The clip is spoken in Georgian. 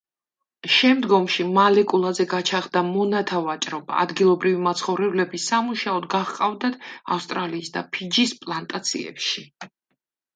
შემდგომში მალეკულაზე გაჩაღდა მონათა ვაჭრობა: ადგილობრივი მაცხოვრებლები სამუშაოდ გაჰყავდათ ავსტრალიის და ფიჯის პლანტაციებში.